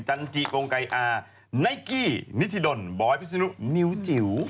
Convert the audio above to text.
จันทรีย์โรงกายอ่าไนกี้นิธิดลบอยพิศนุนิ้วจิ๋ว